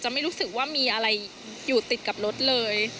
ไม่รู้สึกว่ามีอะไรอยู่ติดกับรถเลย